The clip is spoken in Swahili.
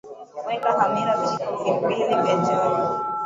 Weka hamira vijiko mbili vya chai